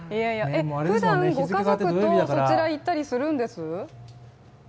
ふだんご家族でそちらに行ったりするんです？